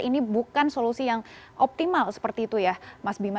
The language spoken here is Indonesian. ini bukan solusi yang optimal seperti itu ya mas bima